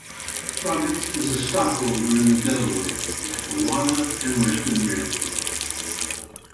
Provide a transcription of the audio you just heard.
Roberts was a stockholder in the Delaware, Lackawanna and Western Railroad.